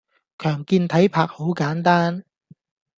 強健體魄好簡單